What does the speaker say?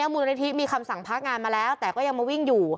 มูลนิธิมีคำสั่งพักงานมาแล้วแต่ก็ยังมาวิ่งอยู่